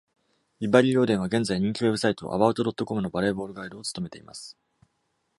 ビバリー・オーデンは、現在人気ウェブサイト About.com のバレーボール・ガイドを務めています。